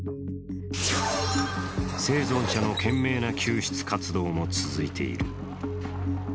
生存者の懸命な救出活動も続いている。